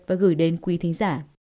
và gửi đến quý thính giả